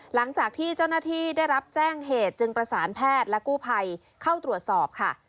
หลังจากที่เจ้าหน้าที่ได้รับแจ้งเหตุจึงประสานแพทย์และกู้ภัยเข้าตรวจสอบค่ะ